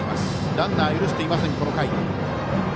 ランナー、許していませんこの回。